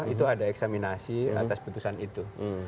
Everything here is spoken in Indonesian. itu ada eksaminasi atas putusan itu